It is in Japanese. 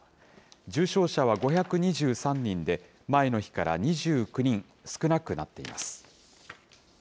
重症者は５２３人で、前の日から２９人少なくなっています。